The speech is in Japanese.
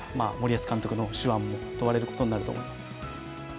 森保監督の手腕も問われることになると思います。